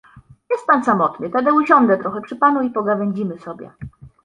— Jest pan samotny, tedy usiądę trochę przy panu i pogawędzimy sobie.